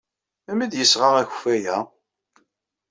Melmi ay d-yesɣa akeffay-a?